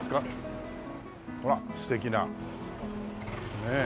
ほら素敵なねえ。